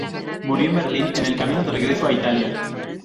Murió en Berlín en el camino de regreso a Italia.